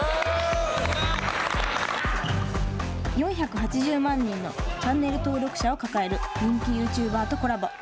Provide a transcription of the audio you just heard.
４８０万人のチャンネル登録者を抱える人気ユーチューバーとコラボ。